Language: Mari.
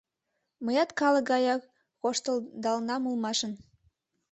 Мыят калык гаяк коштылдалынам улмашын.